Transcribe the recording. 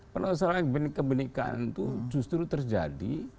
pernah usahanya kebenekaan itu justru terjadi